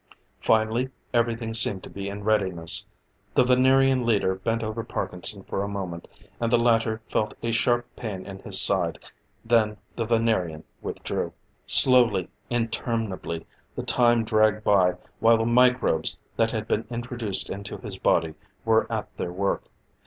Finally, everything seemed to be in readiness. The Venerian leader bent over Parkinson for a moment: and the latter felt a sharp pain in his side. Then the Venerian withdrew. Slowly, interminably, the time dragged by while the microbes that had been introduced into his body were at their work.